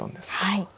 はい。